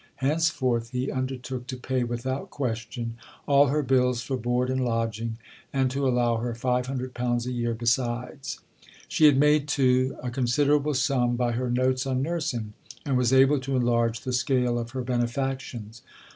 Henceforth he undertook to pay, without question, all her bills for board and lodging, and to allow her £500 a year besides. She had made, too, a considerable sum by her Notes on Nursing, and was able to enlarge the scale of her benefactions.